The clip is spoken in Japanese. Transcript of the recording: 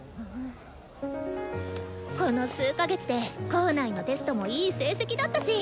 この数か月で校内のテストもいい成績だったし！